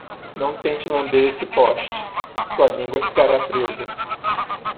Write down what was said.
Não tente lamber esse poste? sua língua ficará presa!